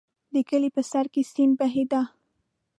د کلي په سر کې سیند بهېده.